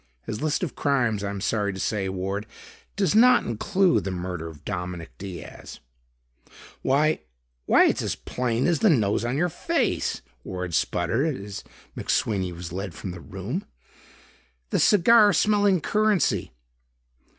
His list of crimes, I am sorry to say, Ward, does not include the murder of Dominic Diaz." "Why why it's as plain as the nose on your face," Ward spluttered as McSweeney was led from the room. "The cigar smelling currency...."